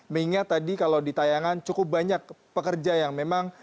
mengingat tadi kalau ditayangan cukup banyak pekerja yang memang